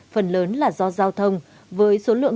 phần lớn là do giao thông với số lượng